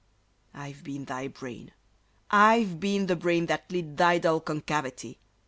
I've been thy brain: I've been the brain that lit thy dull concavity!